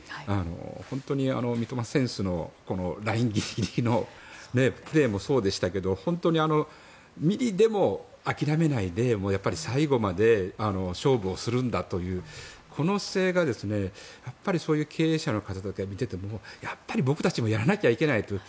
本当に三笘選手のラインギリギリのプレーもそうでしたけど本当にミリでも諦めないで最後まで勝負をするんだというこの姿勢がそういう経営者の方から見ててもやっぱり僕たちもやらなきゃいけないと。